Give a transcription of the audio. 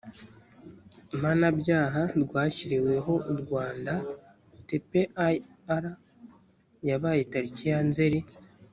mpanabyaha rwashyiriweho u rwanda tpir yabaye tariki ya nzeri